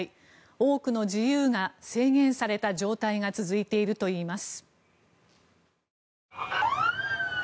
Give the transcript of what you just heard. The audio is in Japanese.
多くの自由が制限された状態が続いているといいます。